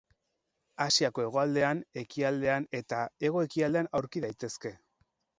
Asiako hegoaldean, ekialdean eta hego-ekialdean aurki daitezke.